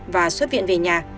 và xuất viện về nhà